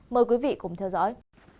mời quý vị cùng theo dõi